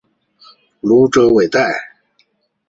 普卢泽韦代。